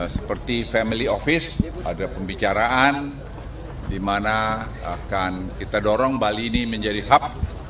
seperti family office ada pembicaraan di mana akan kita dorong bali ini menjadi hub